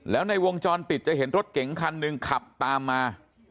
แล้วในวงจรปิดจะเห็นรถเก๋งคันหนึ่งขับตามมา